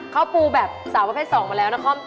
เขาปูแบบสาวประเภท๒มาแล้วนคร